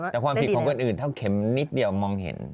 แต่ความผิดของคนอื่นเท่าเข็มนิดเดียวมองเห็น